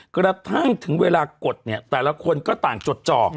กระทั่งถึงเวลากดเนี่ยแต่ละคนก็ต่างจดจ่อ